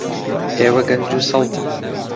ئێوە گەنج و سەڵتن.